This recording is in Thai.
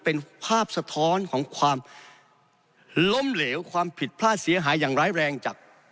เป็นภาพสะท้อนของความล้มเหลวความผิดพลาดเสียหายอย่างร้ายแรงจาก